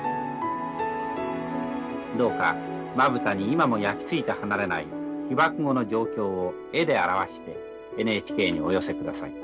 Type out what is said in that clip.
どうかまぶたに今も焼き付いて離れない被爆後の状況を絵で表してＮＨＫにお寄せ下さい。